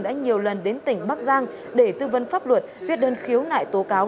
đã nhiều lần đến tỉnh bắc giang để tư vấn pháp luật viết đơn khiếu nại tố cáo